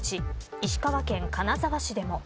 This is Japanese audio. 石川県金沢市でも。